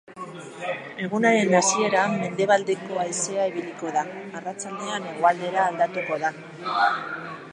Egunaren hasieran mendebaldeko haizea ibiliko da, arratsaldean hegoaldera aldatuko da.